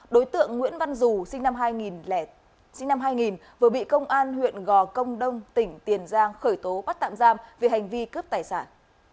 đối tượng nguyễn văn dù sinh năm hai nghìn vừa bị công an huyện gò công đông tỉnh tiền giang khởi tố bắt tạm giam vì hành vi cướp tài sản